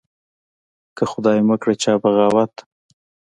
که خدای مکړه چا بغاوت